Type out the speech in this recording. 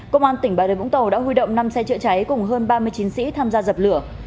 công an tỉnh bà rê vũng tàu đã huy động năm xe chữa cháy cùng hơn ba mươi chiến sĩ tham gia dập lửa